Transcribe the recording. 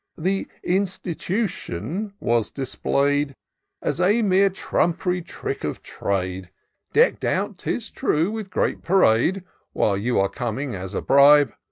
The Institution was display 'd As a mere trump'ry trick of trade, Deck'd out, 'tis true, with great parade ; While you are coining as a bribe.